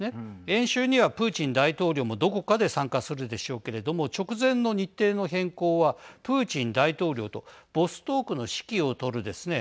演習にはプーチン大統領もどこかで参加するでしょうけれども直前の日程の変更はプーチン大統領とボストークの指揮をとるですね